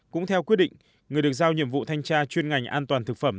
cũng theo quyết định người được giao nhiệm vụ thanh tra chuyên ngành an toàn thực phẩm